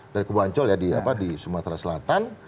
dari kubu ancol di sumatera selatan